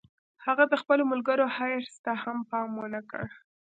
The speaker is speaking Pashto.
هغه د خپلو ملګرو حرص ته هم پام و نه کړ